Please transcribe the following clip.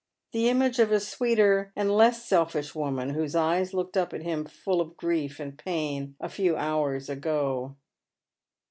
The image of a sweeter and less selfish woman, whose eyes looked up at him full of grief and pain a few hours ago.